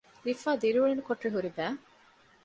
ރިފާ ދިރިއުޅުނު ކޮޓަރި ހުރި ބައި